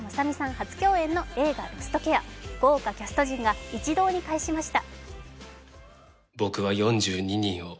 初共演の映画「ロストケア」、豪華キャスト陣が一堂に会しました。